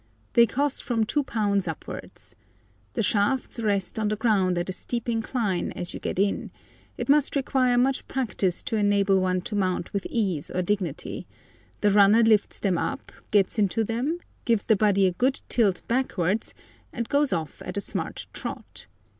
They cost from £2 upwards. The shafts rest on the ground at a steep incline as you get in—it must require much practice to enable one to mount with ease or dignity—the runner lifts them up, gets into them, gives the body a good tilt backwards, and goes off at a smart trot.